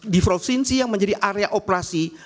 di provinsi yang menjadi area operasi